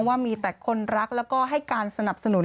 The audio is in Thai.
ว่ามีแต่คนรักแล้วก็ให้การสนับสนุน